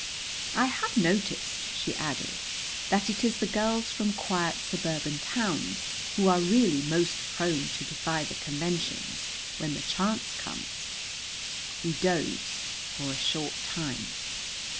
I have noticed," she added, "that it is the girls from quiet suburban towns who are really most prone to defy the conventions when the chance comes." We dozed for a short time.